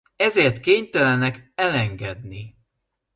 Ezért kénytelenek elengedni.